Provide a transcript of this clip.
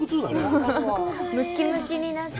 ムッキムキになって。